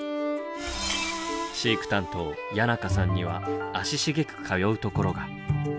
飼育担当谷仲さんには足しげく通うところが。